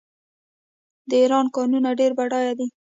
د ایران کانونه ډیر بډایه دي.